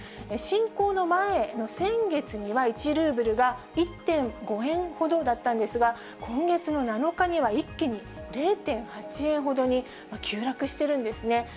侵攻の前の先月には、１ルーブルが１．５円ほどだったんですが、今月の７日には、一気に０．８円ほどに急落しているんですね。